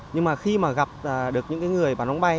nhưng mà khi mà gặp được những người bán bóng bay